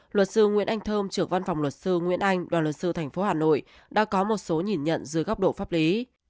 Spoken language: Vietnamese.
luật sư nguyễn anh thơm trưởng văn phòng luật sư nguyễn anh và luật sư tp hà nội đã có một số nhìn nhận dưới góc độ pháp lý